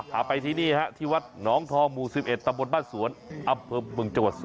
หาไปทีนี่ครับอยู่ที่ความพิวเจอแล้ว